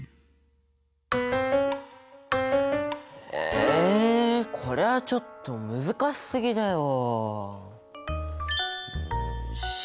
えこれはちょっと難しすぎだよ！